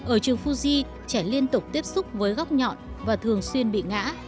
ở trường fuji trẻ liên tục tiếp xúc với góc nhọn và thường xuyên bị ngã